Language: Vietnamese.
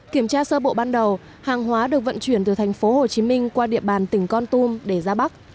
kiểm tra sơ bộ ban đầu hàng hóa được vận chuyển từ thành phố hồ chí minh qua địa bàn tỉnh con tum để ra bắc